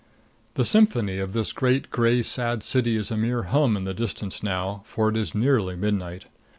The symphony of this great, gray, sad city is a mere hum in the distance now, for it is nearly midnight.